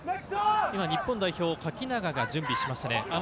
日本代表、垣永が準備しました。